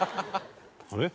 「あれ？」